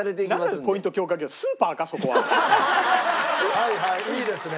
はいはいいいですね。